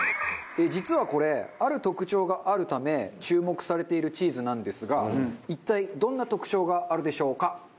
実はこれある特徴があるため注目されているチーズなんですが一体どんな特徴があるでしょうか？